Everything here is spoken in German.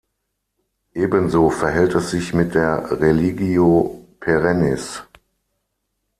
Ebenso verhält es sich mit der religio perennis.